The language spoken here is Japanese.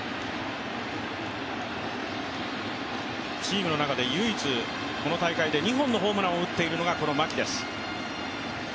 チームの中で唯一この大会で２本のホームランを打っているのがこの牧です。